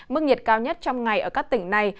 mức nhiệt cao nhất trong ngày ở các tỉnh này